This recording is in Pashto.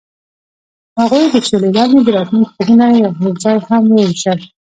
هغوی د شعله لاندې د راتلونکي خوبونه یوځای هم وویشل.